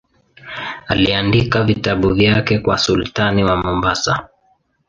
Aliandika vitabu vyake kwa sultani wa Mombasa.